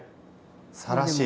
さらし？